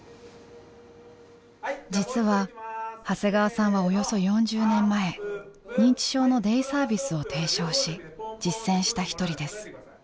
実は長谷川さんはおよそ４０年前認知症のデイサービスを提唱し実践した一人です。